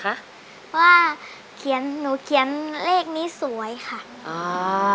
เพราะว่าหนูเขียนเลขนี้สวยค่ะ